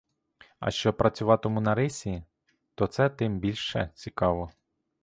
А що працюватиму на рисі — то це тим більше цікаво.